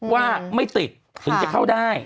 ว่าไม่ติดถึงจะเข้าได้